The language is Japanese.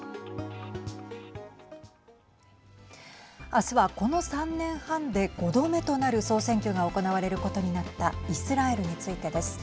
明日は、この３年半で５度目となる総選挙が行われることになったイスラエルについてです。